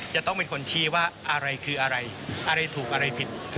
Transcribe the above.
จะต้องเป็นคนชี้ว่าอะไรคืออะไรอะไรถูกอะไรผิด